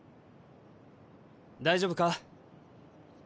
大丈夫か？